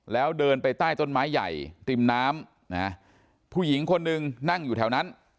แล้วเดินไปใต้ต้นไม้ใหญ่ติมน้ำนะผู้หญิงคนหนึ่งนั่งอยู่แถวนั้น